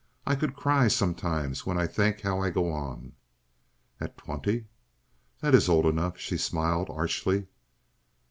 I could cry sometimes when I think how I go on." "At twenty?" "That is old enough," she smiled, archly.